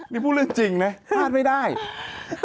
นี่พูดเรื่องจริงเนี่ยพูดจริง